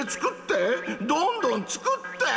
どんどんつくって！